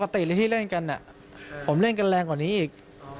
ที่เล่นกันผมเล่นกันแรงกว่านี้อีก